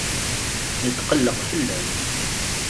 Netqelleq fell-am.